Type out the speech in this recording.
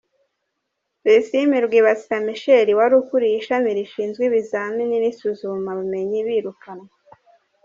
Tusiime Rwibasira Michael wari ukuriye Ishami rishinzwe Ibizamini n’Isuzumabumenyi birukanwa.